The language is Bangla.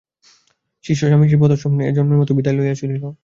শিষ্য স্বামীজীর পাদপদ্মে এ-জন্মের মত বিদায় লইয়া চলিল।